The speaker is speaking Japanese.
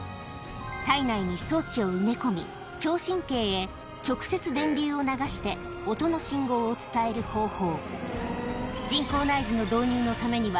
体内に装置を埋め込み聴神経へ直接電流を流して音の信号を伝える方法